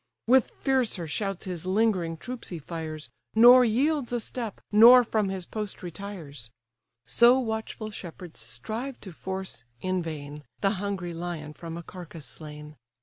With fiercer shouts his lingering troops he fires, Nor yields a step, nor from his post retires: So watchful shepherds strive to force, in vain, The hungry lion from a carcase slain.